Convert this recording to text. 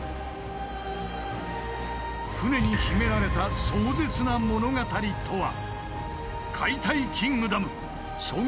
船に秘められた壮絶な物語とは？